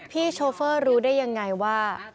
พี่โชเฟอร์รู้ได้อย่างไรว่า